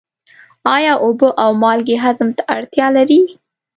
آیا اوبه او مالګې هضم ته اړتیا لري؟